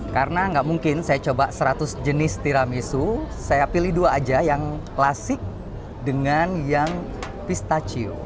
karena gak mungkin saya coba seratus jenis tiramisu saya pilih dua aja yang klasik dengan yang pistachio